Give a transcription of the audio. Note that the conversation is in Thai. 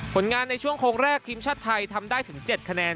ผลงานในช่วงโค้งแรกทีมชาติไทยทำได้ถึง๗คะแนน